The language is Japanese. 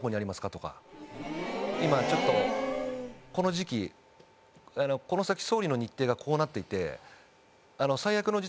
「今ちょっとこの時期この先総理の日程がこうなっていて」。